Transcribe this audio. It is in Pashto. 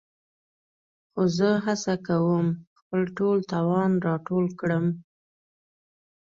خو زه هڅه کوم خپل ټول توان راټول کړم.